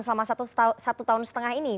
selama satu tahun setengah ini